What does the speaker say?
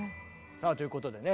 さあということでね